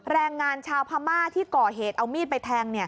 แรงงานชาวพม่าที่ก่อเหตุเอามีดไปแทง